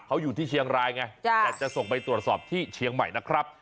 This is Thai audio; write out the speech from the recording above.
เขาอยู่ที่เชียงรายไงแต่จะส่งไปตรวจสอบที่เชียงใหม่นะครับ